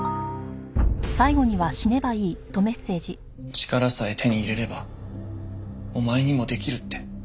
力さえ手に入れればお前にもできるって。